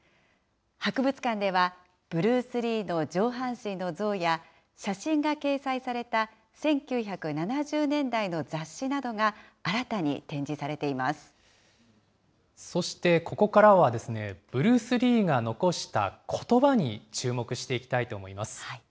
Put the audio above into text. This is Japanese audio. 博物館では、ブルース・リーの上半身の像や、写真が掲載された１９７０年代の雑誌などが新たに展示されていまそしてここからは、ブルース・リーが残したことばに注目していきたいと思います。